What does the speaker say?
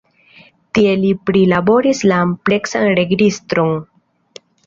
Tie li prilaboris la ampleksan registron.